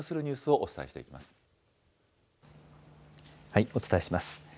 お伝えします。